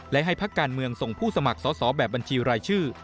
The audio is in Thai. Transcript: และให้พักการเมืองส่งผู้สมัครสอบแบบบัญชีรายชื่อ